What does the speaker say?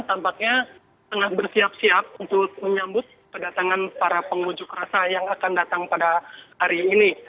tampaknya tengah bersiap siap untuk menyambut kedatangan para pengunjuk rasa yang akan datang pada hari ini